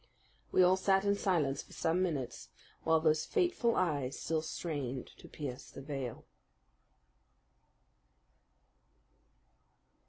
We all sat in silence for some minutes while those fateful eyes still strained to pierce the veil.